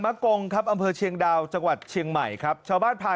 กงครับอำเภอเชียงดาวจังหวัดเชียงใหม่ครับชาวบ้านพา